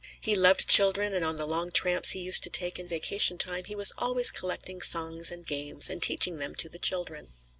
He loved children, and on the long tramps he used to take in vacation time he was always collecting songs and games, and teaching them to the children.